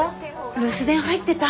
留守電入ってた。